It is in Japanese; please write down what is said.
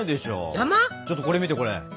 ちょっとこれ見てこれ！